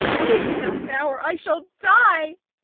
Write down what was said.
Leave me not now or I shall die!